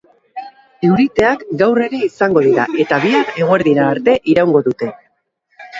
Euriteek gaur ere izango dira, eta bihar eguerdira arte iraungo dute.